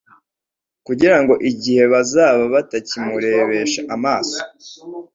kugira ngo igihe bazaba batakimurebesha amaso,